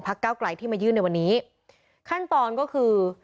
ทางคุณชัยธวัดก็บอกว่าการยื่นเรื่องแก้ไขมาตรวจสองเจน